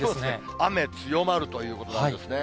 雨強まるということなんですね。